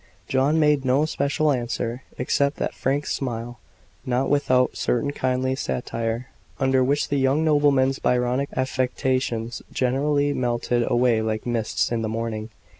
John made no special answer; except that frank smile not without a certain kindly satire, under which the young nobleman's Byronic affectations generally melted away like mists in the morning.